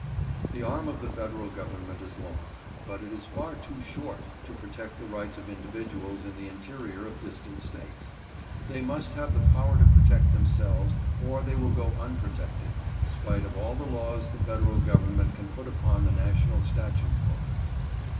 The arm of the Federal government is long, but it is far too short to protect the rights of individuals in the interior of distant States. They must have the power to protect themselves, or they will go unprotected, spite of all the laws the Federal government can put upon the national statute book.